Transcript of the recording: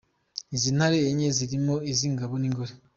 Izi ntare enye zirimo izingabo n’ ingore.